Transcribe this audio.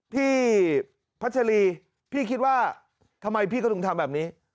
พี่พัชรีพี่คิดว่าทำไมพี่เขาถึงทำแบบนี้